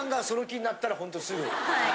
はい。